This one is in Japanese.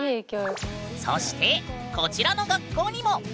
そしてこちらの学校にも！